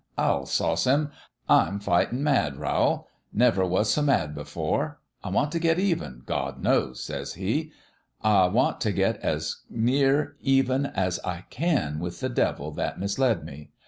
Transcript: I'll sauce him ! I'm fightin' mad, Rowl. Never was so mad before. I want t' get even, God knows !' says he. ' I want t' get as near even as I can with the devil that misled me.